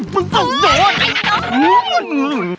มึงต้องยอด